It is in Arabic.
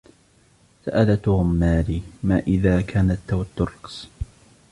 سأل "توم" "ماري" ما إذا كانت تود الرقص